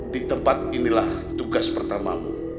di tempat inilah tugas pertamamu